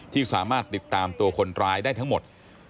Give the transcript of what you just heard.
ที่สามารถติดตามตัวคนร้ายได้ทั้งหมด